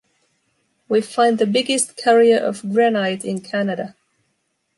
We find the biggest carrier of granite in Canada.